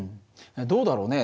どうだろうね。